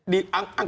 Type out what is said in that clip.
di angkat lagi